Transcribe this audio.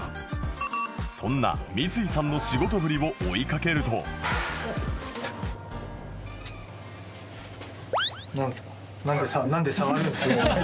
そんな三井さんの仕事ぶりを追いかけるとなんすか？